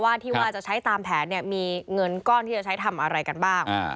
ที่ว่าจะใช้ตามแผนเนี่ยมีเงินก้อนที่จะใช้ทำอะไรกันบ้าง